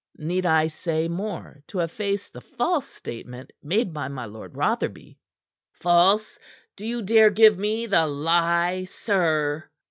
Need I say more to efface the false statement made by my Lord Rotherby?" "False? Do you dare give me the lie, sir?"